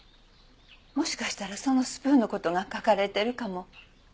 もしかしたらそのスプーンの事が書かれてるかも。